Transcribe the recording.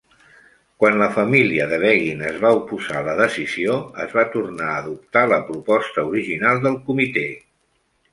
Quan la família de Begin es va oposar a la decisió, es va tornar a adoptar la proposta original del comitè.